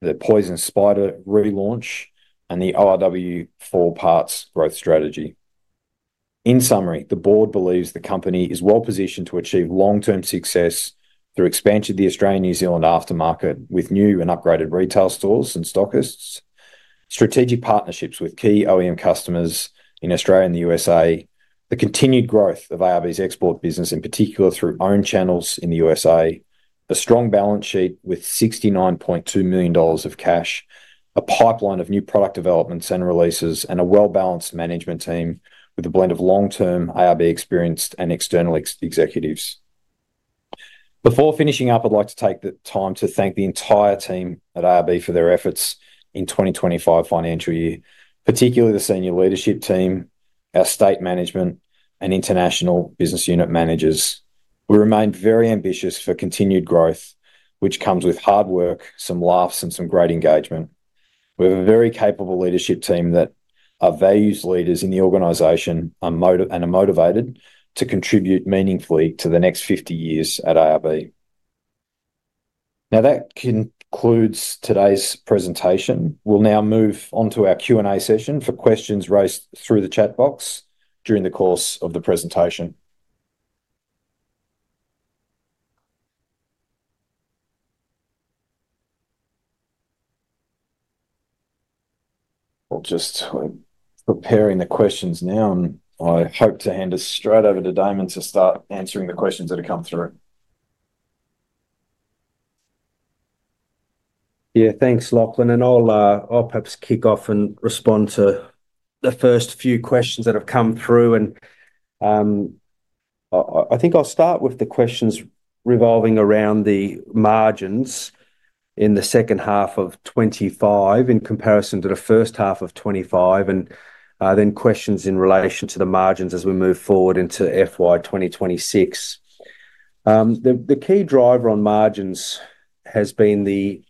the Poison Spider relaunch, and the ORW 4 Parts growth strategy. In summary, the board believes the company is well positioned to achieve long-term success through expansion to the Australian and New Zealand aftermarket with new and upgraded retail stores and stockists, strategic partnerships with key OEM customers in Australia and the USA, the continued growth of ARB's export business, in particular through owned channels in the USA, a strong balance sheet with 69.2 million dollars of cash, a pipeline of new product developments and releases, and a well-balanced management team with a blend of long-term ARB experience and external executives. Before finishing up, I'd like to take the time to thank the entire team at ARB for their efforts in the 2025 financial year, particularly the Senior Leadership Team, our State Management, and International Business Unit Managers. We remain very ambitious for continued growth, which comes with hard work, some laughs, and some great engagement. We have a very capable leadership team that our values leaders in the organization are motivated to contribute meaningfully to the next 50 years at ARB. That concludes today's presentation. We'll now move on to our Q&A session for questions raised through the chat box during the course of the presentation. I'm preparing the questions now, and I hope to hand it straight over to Damon to start answering the questions that have come through. Yeah, thanks, Lachlan. I'll perhaps kick off and respond to the first few questions that have come through. I think I'll start with the questions revolving around the margins in the second half of 2025 in comparison to the first half of 2025, and then questions in relation to the margins as we move forward into FY 2026. The key driver on margins has been the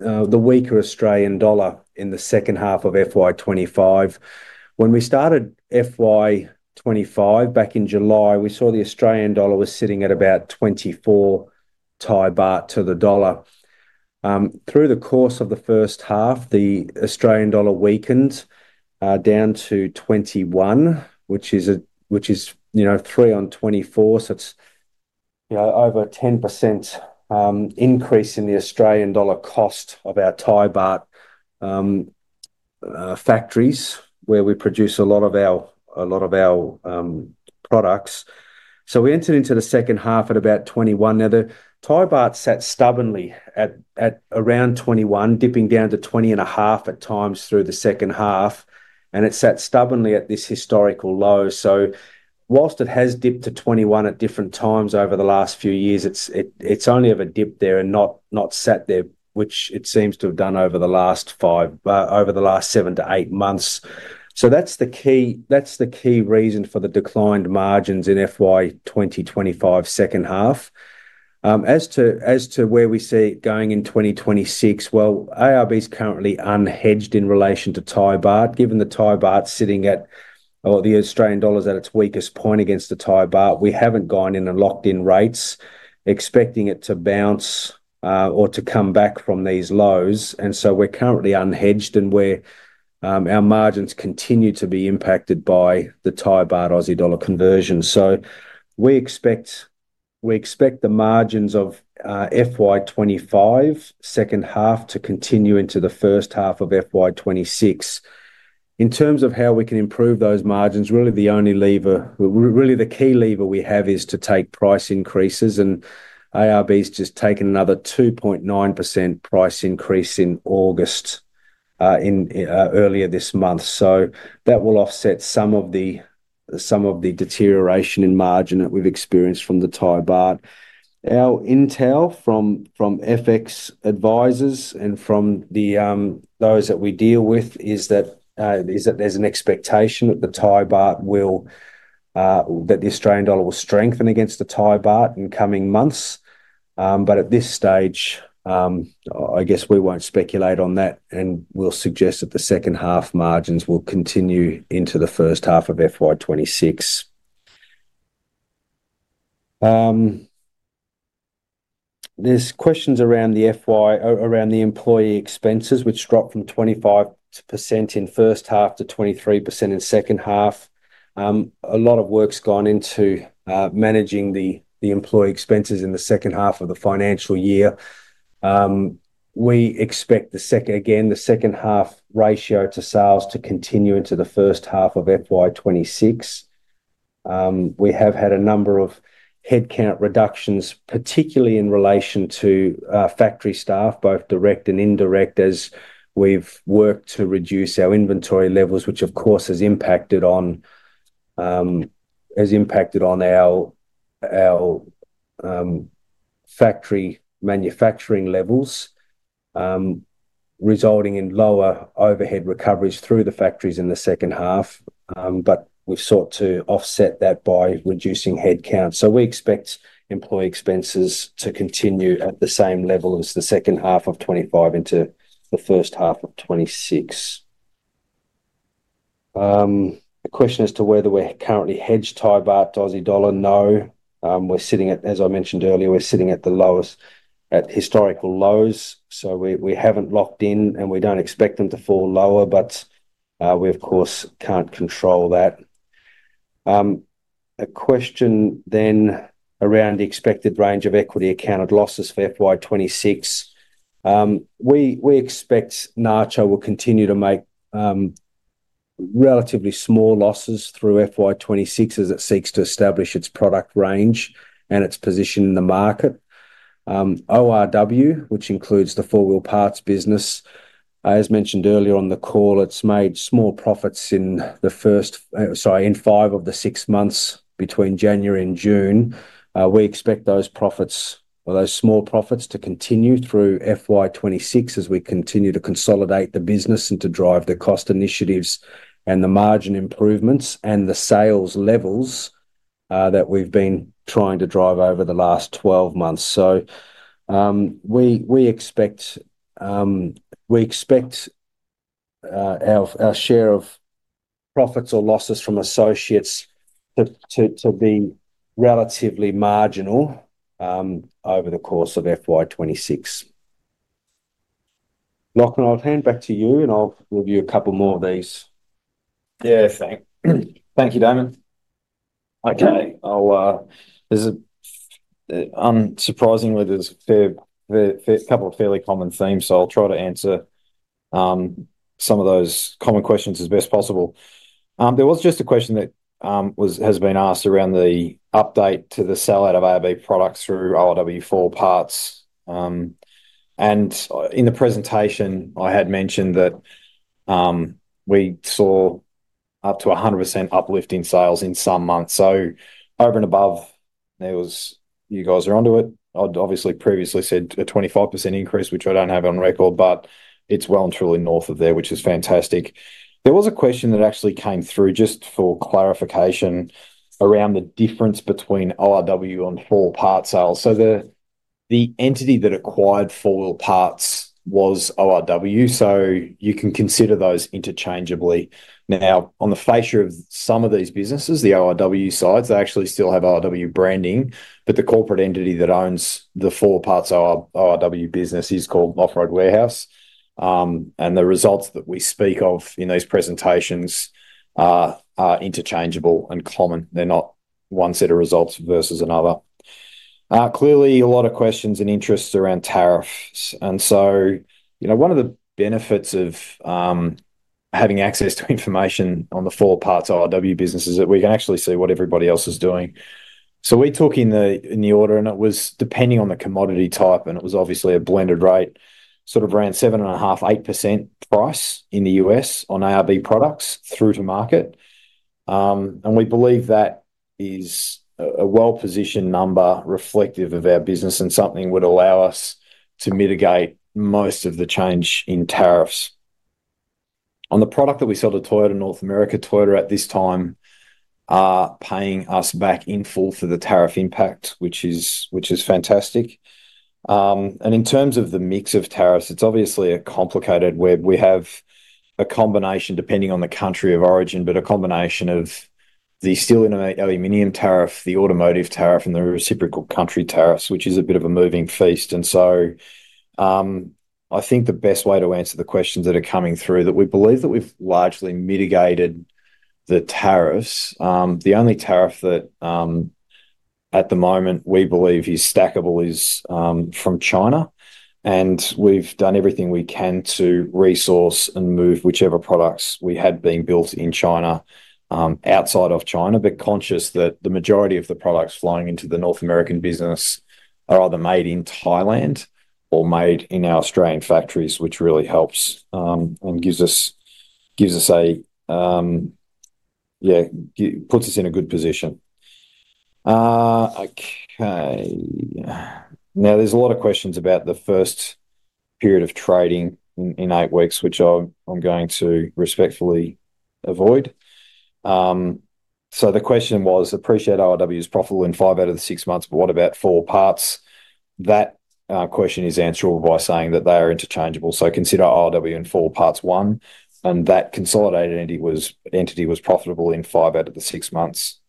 weaker Australian dollar in the second half of FY 2025. When we started FY 2025 back in July, we saw the Australian dollar was sitting at about 24 Thai baht to the dollar. Through the course of the first half, the Australian dollar weakened down to 21, which is, you know, three on 24. It's, you know, over a 10% increase in the Australian dollar cost of our Thai baht factories where we produce a lot of our products. We entered into the second half at about 21. The Thai baht sat stubbornly at around 21, dipping down to 20.5 at times through the second half, and it sat stubbornly at this historical low. Whilst it has dipped to 21 at different times over the last few years, it's only ever dipped there and not sat there, which it seems to have done over the last seven to eight months. That's the key reason for the declined margins in FY 2025 second half. As to where we see it going in 2026, ARB is currently unhedged in relation to Thai baht. Given the Thai baht sitting at the Australian dollar's at its weakest point against the Thai baht, we haven't gone in and locked in rates, expecting it to bounce or to come back from these lows. We're currently unhedged and our margins continue to be impacted by the Thai baht Aussie dollar conversion. We expect the margins of FY 2025 second half to continue into the first half of FY 2026. In terms of how we can improve those margins, really the only lever, really the key lever we have is to take price increases, and ARB has just taken another 2.9% price increase in August, earlier this month. That will offset some of the deterioration in margin that we've experienced from the Thai baht. Our intel from FX advisors and from those that we deal with is that there's an expectation that the Australian dollar will strengthen against the Thai baht in coming months. At this stage, I guess we won't speculate on that and we'll suggest that the second half margins will continue into the first half of FY 2026. There are questions around the employee expenses, which dropped from 25% in the first half to 23% in the second half. A lot of work's gone into managing the employee expenses in the second half of the financial year. We expect the second half ratio to sales to continue into the first half of FY 2026. We have had a number of headcount reductions, particularly in relation to factory staff, both direct and indirect, as we've worked to reduce our inventory levels, which of course has impacted on our factory manufacturing levels, resulting in lower overhead recoveries through the factories in the second half. We have sought to offset that by reducing headcount. We expect employee expenses to continue at the same level as the second half of 2025 into the first half of 2026. The question as to whether we're currently hedged Thai baht to Aussie dollar, no. We're sitting at, as I mentioned earlier, we're sitting at the lowest, at historical lows. We haven't locked in and we don't expect them to fall lower, but we of course can't control that. A question then around the expected range of equity-accounted losses for FY 2026. We expect Nacho will continue to make relatively small losses through FY 2026 as it seeks to establish its product range and its position in the market. ORW, which includes the 4 Wheel Parts business, as mentioned earlier on the call, has made small profits in five of the six months between January and June. We expect those small profits to continue through FY 2026 as we continue to consolidate the business and to drive the cost initiatives and the margin improvements and the sales levels that we've been trying to drive over the last 12 months. We expect our share of profits or losses from associates to be relatively marginal over the course of FY 2026. Lachlan, I'll hand back to you and I'll review a couple more of these. Yeah, thanks. Thank you, Damon. There's a, surprisingly, there's a fair couple of fairly common themes, so I'll try to answer some of those common questions as best as possible. There was just a question that has been asked around the update to the sale out of ARB products through ORW 4 Parts. In the presentation, I had mentioned that we saw up to 100% uplift in sales in some months. Over and above, you guys are onto it. I'd obviously previously said a 25% increase, which I don't have on record, but it's well and truly north of there, which is fantastic. There was a question that actually came through just for clarification around the difference between ORW and 4 Parts sales. The entity that acquired 4 Wheel Parts was ORW, so you can consider those interchangeably. On the facial of some of these businesses, the ORW sides actually still have ORW branding, but the corporate entity that owns 4 Parts ORW business is called Off-Road Warehouse. The results that we speak of in those presentations are interchangeable and common. They're not one set of results versus another. Clearly, a lot of questions and interests around tariffs. One of the benefits of having access to information on 4 Parts ORW business is that we can actually see what everybody else is doing. We took in the order, and it was depending on the commodity type, and it was obviously a blended rate, sort of around 7.5% to 8% price in the U.S. on ARB products through to market. We believe that is a well-positioned number reflective of our business, and something that would allow us to mitigate most of the change in tariffs. On the product that we sell to Toyota North America, Toyota at this time are paying us back in full for the tariff impact, which is fantastic. In terms of the mix of tariffs, it's obviously complicated. We have a combination, depending on the country of origin, but a combination of the steel and aluminum tariff, the automotive tariff, and the reciprocal country tariffs, which is a bit of a moving feast. I think the best way to answer the questions that are coming through is that we believe that we've largely mitigated the tariffs. The only tariff that at the moment we believe is stackable is from China, and we've done everything we can to resource and move whichever products we had being built in China outside of China, but conscious that the majority of the products flying into the North American business are either made in Thailand or made in our Australian factories, which really helps and gives us a, yeah, puts us in a good position. Now there's a lot of questions about the first period of trading in eight weeks, which I'm going to respectfully avoid. The question was, appreciate ORW is profitable in five out of the six months, but what 4 Parts? That question is answerable by saying that they are interchangeable. Consider ORW and 4 Parts one, and that consolidated entity was profitable in five out of the six months.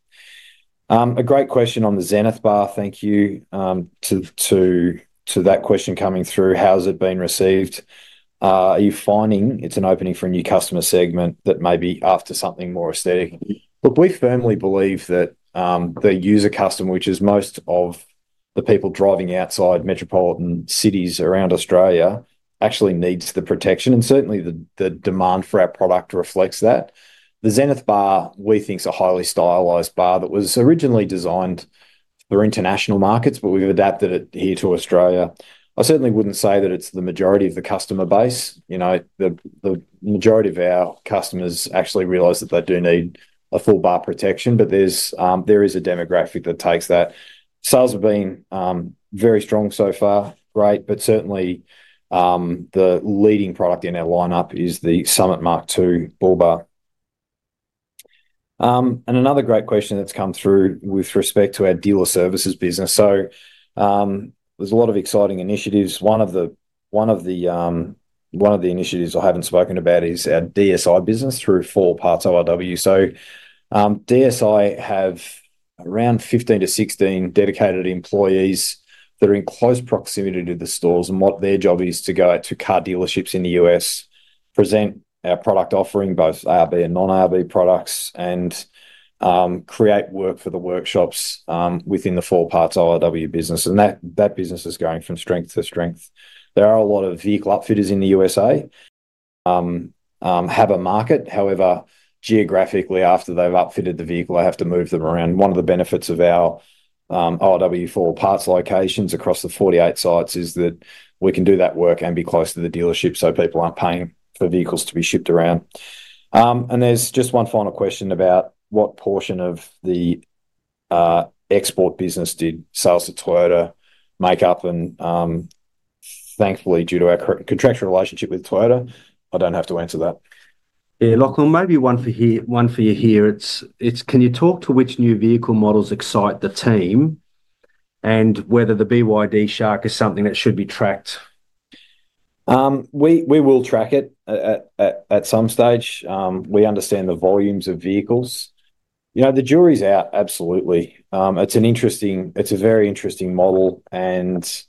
A great question on the Zenith Bar. Thank you to that question coming through. How's it been received? Are you finding it's an opening for a new customer segment that may be after something more aesthetic? We firmly believe that the user customer, which is most of the people driving outside metropolitan cities around Australia, actually needs the protection, and certainly the demand for our product reflects that. The Zenith Bar, we think, is a highly stylized bar that was originally designed for international markets, but we've adapted it here to Australia. I certainly wouldn't say that it's the majority of the customer base. The majority of our customers actually realize that they do need a full bar protection, but there is a demographic that takes that. Sales have been very strong so far, great, but certainly the leading product in our lineup is the Summit Mark II bull bar. Another great question that's come through with respect to our dealer services business. There are a lot of exciting initiatives. One of the initiatives I haven't spoken about is our DSI business through 4 Wheel Parts ORW. DSI have around 15 to 16 dedicated employees that are in close proximity to the stores and what their job is to go to car dealerships in the U.S., present our product offering, both ARB and non-ARB products, and create work for the workshops within the 4 Parts ORW business. That business is going from strength to strength. There are a lot of vehicle upfitters in the USA that have a market. However, geographically, after they've upfitted the vehicle, they have to move them around. One of the benefits of our ORW 4 Parts locations across the 48 sites is that we can do that work and be close to the dealership, so people aren't paying for vehicles to be shipped around. There's just one final question about what portion of the export business did sales to Toyota make up? Thankfully, due to our contractual relationship with Toyota, I don't have to answer that. Yeah, Lachlan, maybe one for you here. Can you talk to which new vehicle models excite the team and whether the BYD Shark is something that should be tracked? We will track it at some stage. We understand the volumes of vehicles. The jury's out, absolutely. It's an interesting, it's a very interesting model. The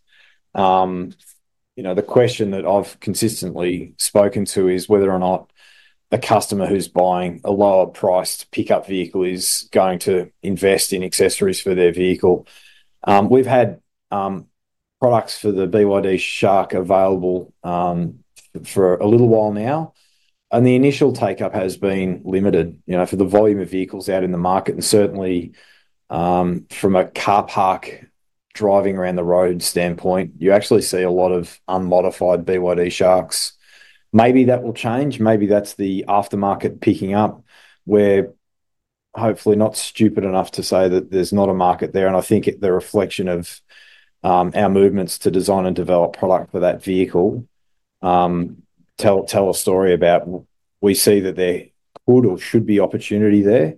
question that I've consistently spoken to is whether or not a customer who's buying a lower priced pickup vehicle is going to invest in accessories for their vehicle. We've had products for the BYD Shark available for a little while now. The initial take-up has been limited for the volume of vehicles out in the market. Certainly, from a car park driving around the road standpoint, you actually see a lot of unmodified BYD Sharks. Maybe that will change. Maybe that's the aftermarket picking up. We're hopefully not stupid enough to say that there's not a market there. I think it's a reflection of our movements to design and develop product for that vehicle. Tell a story about, we see that there could or should be opportunity there.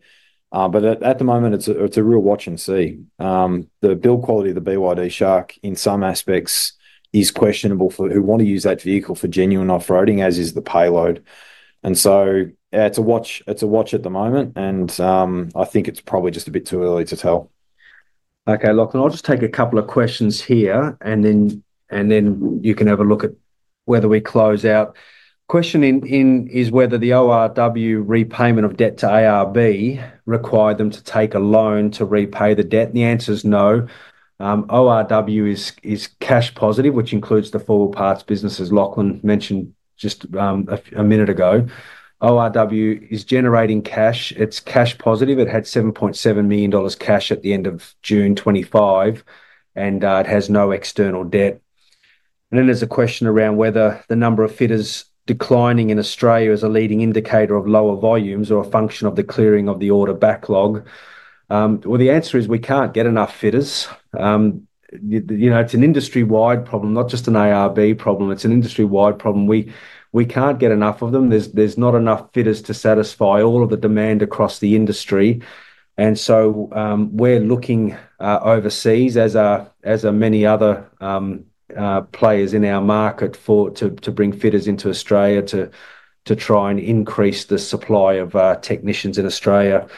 At the moment, it's a real watch and see. The build quality of the BYD Shark in some aspects is questionable for who want to use that vehicle for genuine off-roading, as is the payload. It's a watch at the moment. I think it's probably just a bit too early to tell. Okay, Lachlan, I'll just take a couple of questions here, and then you can have a look at whether we close out. The question is whether the ORW repayment of debt to ARB required them to take a loan to repay the debt. The answer is no. ORW is cash positive, which includes the 4 Wheel Parts businesses Lachlan mentioned just a minute ago. ORW is generating cash. It's cash positive. It had 7.7 million dollars cash at the end of June 2025, and it has no external debt. There's a question around whether the number of fitters declining in Australia is a leading indicator of lower volumes or a function of the clearing of the order backlog. The answer is we can't get enough fitters. It's an industry-wide problem, not just an ARB problem. It's an industry-wide problem. We can't get enough of them. There's not enough fitters to satisfy all of the demand across the industry. We're looking overseas, as are many other players in our market, to bring fitters into Australia to try and increase the supply of technicians in Australia.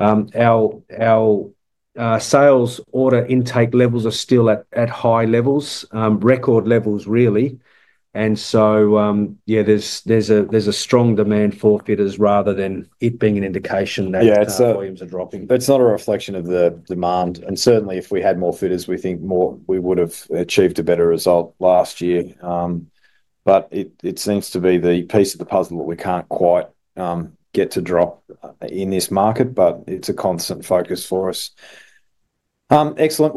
Our sales order intake levels are still at high levels, record levels really. There's a strong demand for fitters rather than it being an indication that volumes are dropping. It's not a reflection of the demand. Certainly, if we had more fitters, we think we would have achieved a better result last year. It seems to be the piece of the puzzle that we can't quite get to drop in this market, but it's a constant focus for us. Excellent.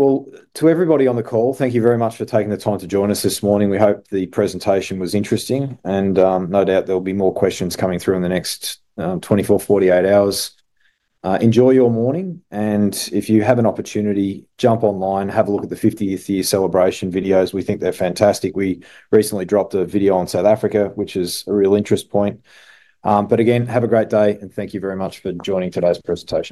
To everybody on the call, thank you very much for taking the time to join us this morning. We hope the presentation was interesting, and no doubt there will be more questions coming through in the next 24-48 hours. Enjoy your morning, and if you have an opportunity, jump online, have a look at the 50th year celebration videos. We think they're fantastic. We recently dropped a video on South Africa, which is a real interest point. Again, have a great day, and thank you very much for joining today's presentation.